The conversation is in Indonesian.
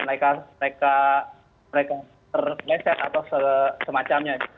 mereka terleset atau semacamnya